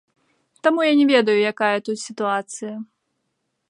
Таму я не ведаю, якая тут сітуацыя.